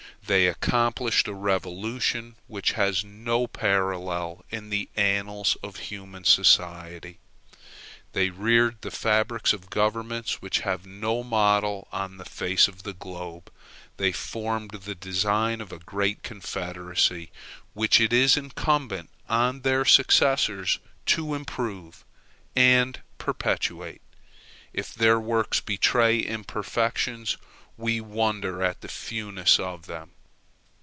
They accomplished a revolution which has no parallel in the annals of human society. They reared the fabrics of governments which have no model on the face of the globe. They formed the design of a great Confederacy, which it is incumbent on their successors to improve and perpetuate. If their works betray imperfections, we wonder at the fewness of them.